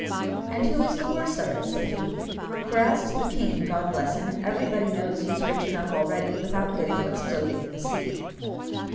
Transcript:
"And who is the worse of it?" said he. "For as to the king, God bless him! everybody knows he's rich enough already without getting what's floating in the sea."